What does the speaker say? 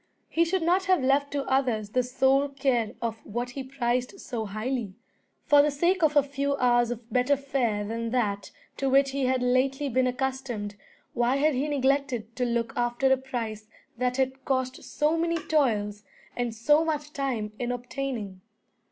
He should not have left to others the sole care of what he prized so highly. For the sake of a few hours of better fare than that to which he had lately been accustomed, why had he neglected to look after a prize that had cost so many toils and so much time in obtaining?